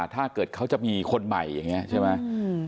ถ้าเกิดเขาจะมีคนใหม่อย่างนี้ใช่ไหม